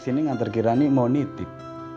saya kesini ngantar kirani mau nitip